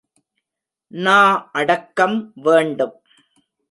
நா அடக்கம் வேண்டும்.